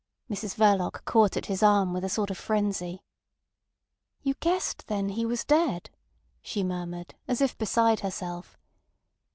Mrs Verloc caught at his arm with a sort of frenzy. "You guessed then he was dead," she murmured, as if beside herself.